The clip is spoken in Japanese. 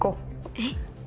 えっ。